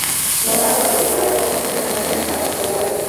বরং কারও কারওর জন্য কখনো কখনো এটা মন্দের ভালো হয়েও দাঁড়াতে পারে।